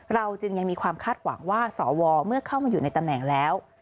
เราจึงยังมีความคาดหวังว่าสวเมื่อเข้ามาอยู่ในตำแหน่งแล้ว